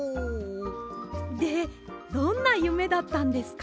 でどんなゆめだったんですか？